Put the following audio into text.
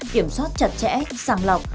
kiểm soát chặt chẽ sàng lọc